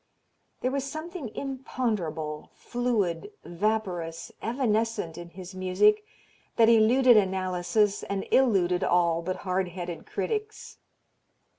There was something imponderable, fluid, vaporous, evanescent in his music that eluded analysis and eluded all but hard headed critics.